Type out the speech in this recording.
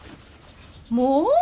もう？